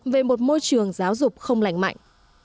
về một môi trường giáo dục không lành mạnh